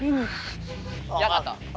ya enggak tahu